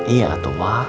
iya tuh wak